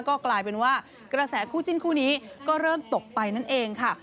ก็กลายเป็นว่ากระแสคู่จิ้นคู่นี้ก็เริ่มตกไปนั่นเองค่ะ